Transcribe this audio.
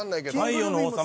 「太陽の王様」。